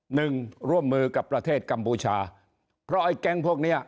หนึ่งร่วมมือกับประเทศกัมพูชาเพราะไอ้แก๊งพวกเนี้ย